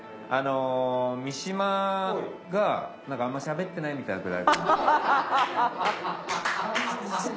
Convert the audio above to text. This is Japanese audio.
あの三島がなんかあんましゃべってないみたいなくだり。